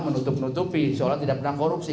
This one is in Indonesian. menutup nutupi seolah tidak pernah korupsi